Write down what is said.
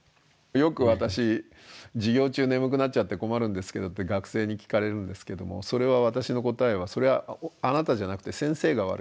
よく私「授業中眠くなっちゃって困るんですけど」って学生に聞かれるんですけどもそれは私の答えは「それはあなたじゃなくて先生が悪いんだ」と。